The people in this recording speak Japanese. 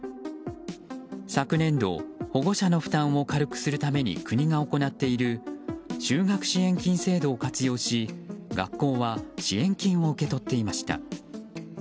昨年度、保護者の負担を軽くするために国が行っている就学支援金制度を活用し学校は支援金を受け取っていました。